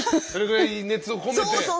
それぐらい熱を込めて。